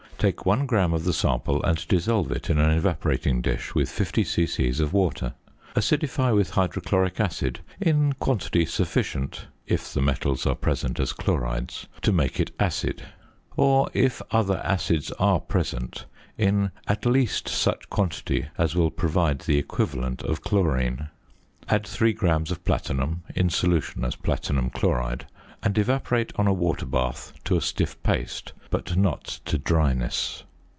Take 1 gram of the sample and dissolve it in an evaporating dish with 50 c.c. of water. Acidify with hydrochloric acid in quantity sufficient (if the metals are present as chlorides) to make it acid, or, if other acids are present, in at least such quantity as will provide the equivalent of chlorine. Add 3 grams of platinum, in solution as platinum chloride, and evaporate on a water bath to a stiff paste, but not to dryness.